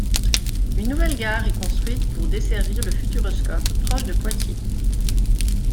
Une nouvelle gare est construite pour desservir le Futuroscope, proche de Poitiers.